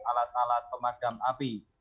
alat alat pemadam api